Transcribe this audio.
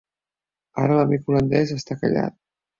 Ara l'amic holandès està callat.